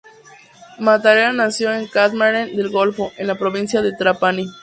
Mattarella nació en Castellammare del Golfo, en la provincia de Trapani.